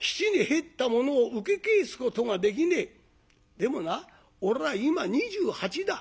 でもな俺は今２８だ。